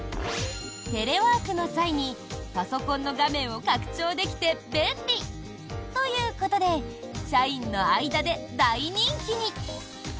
テレワークの際にパソコンの画面を拡張できて便利ということで社員の間で大人気に。